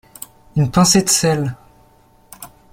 Une pincée de sel.